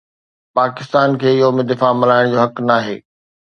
پاڪستان کي يوم دفاع ملهائڻ جو حق ناهي